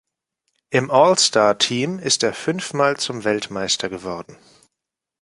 Im All-Star-Team ist er fünfmal zum Weltmeister geworden.